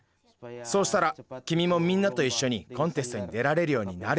そうしたらきみもみんなといっしょにコンテストに出られるようになるから。